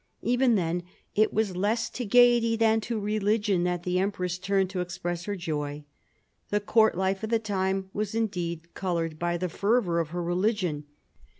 Even then, it was less to gaiety than to religion that the empress turned to ex press her joy. The court life of the time was indeed coloured by the fervour of her religion.